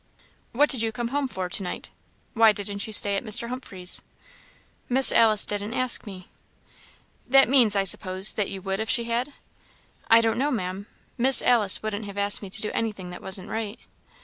"What did you come home for, to night? Why didn't you stay at Mr. Humphreys'?" "Miss Alice didn't ask me." "That means, I suppose, that you would if she had?" "I don't know, Maam; Miss Alice wouldn't have asked me to do anything that wasn't right."